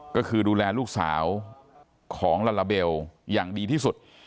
ก็คือดูแลลูกสาวของลาลาเบลอย่างดีที่สุด